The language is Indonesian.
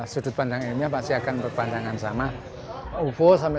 sudut pandangan ilmiah pasti akan berpandangan sama